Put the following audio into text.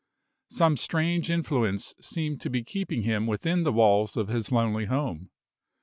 Some strange influence seemed to be keeping him within the walls of his lonely home.